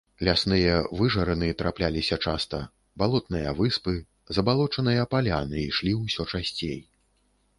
Лясныя выжарыны трапляліся часта, балотныя выспы, забалочаныя паляны ішлі ўсё часцей.